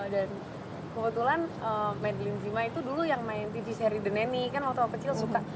dan kebetulan madeleine zima itu dulu yang main tv seri the nanny kan waktu kecil suka